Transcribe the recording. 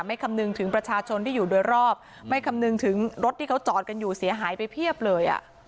คำนึงถึงประชาชนที่อยู่โดยรอบไม่คำนึงถึงรถที่เขาจอดกันอยู่เสียหายไปเพียบเลยอ่ะ